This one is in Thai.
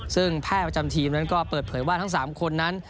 ซึ่งแพทย์ประจำทีมนั้นก็เปิดเผยว่าทั้ง๓คนนั้น